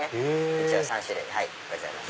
一応３種類ございます。